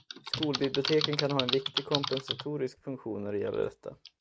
Skolbiblioteken kan ha en viktig kompensatorisk funktion när det gäller detta.